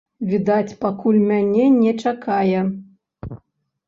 Відаць, пакуль мяне не чакае.